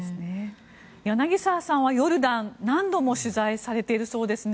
柳澤さんは、ヨルダンを何度も取材されているそうですね。